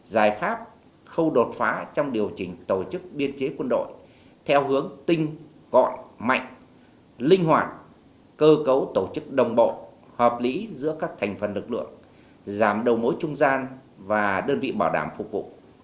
giải pháp khâu đột phá trong điều chỉnh tổ chức biên chế quân đội theo hướng tinh gọn mạnh linh hoạt cơ cấu tổ chức đồng bộ hợp lý giữa các thành phần lực lượng giảm đầu mối trung gian và đơn vị bảo đảm phục vụ